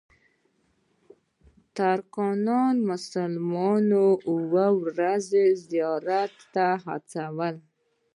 ترکانو مسلمانان اوو ورځني زیارت ته وهڅول.